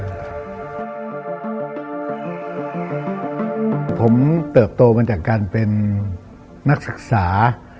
ผมเติบโตมาจากการเป็นนักศักดิ์ศาสตร์